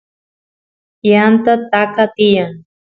yanta taka tiyan